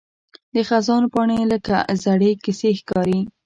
د خزان پاڼې لکه زړې کیسې ښکاري